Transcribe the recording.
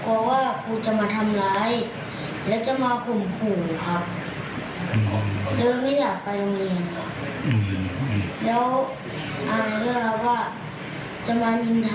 โอเคค่ะ